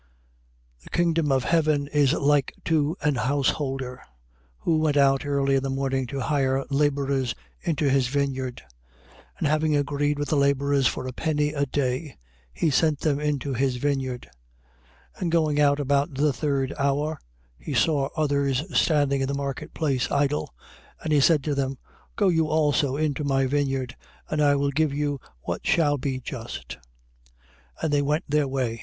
20:1. The kingdom of heaven is like to an householder, who went out early in the morning to hire labourers into his vineyard. 20:2. And having agreed with the labourers for a penny a day, he sent them into his vineyard. 20:3. And going out about the third hour, he saw others standing in the marketplace idle. 20:4. And he said to them: Go you also into my vineyard, and I will give you what shall be just. 20:5. And they went their way.